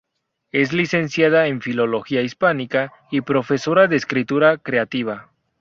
Es licenciada en filología hispánica y profesora de escritura creativa.